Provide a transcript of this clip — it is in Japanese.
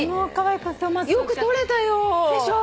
よく撮れたよ。でしょう。